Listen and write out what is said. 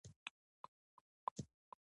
که لاره ورکه شي، نښه لټو.